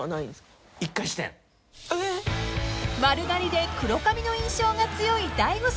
［丸刈りで黒髪の印象が強い大悟さん］